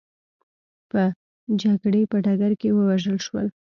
په جګړې په ډګر کې ووژل شول.